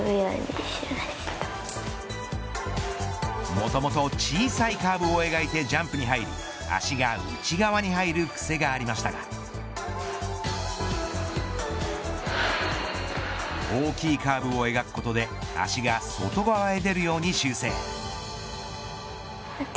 もともと小さいカーブを描いてジャンプに入り足が内側に入るくせがありましたが大きいカーブを描くことで足が外側へ出るように修正。